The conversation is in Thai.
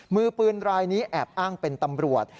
มือปืนรายนี้แอบอ้างเป็นตำรวจ